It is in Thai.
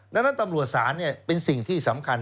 ดังนั้นตำรวจศาลเป็นสิ่งที่สำคัญ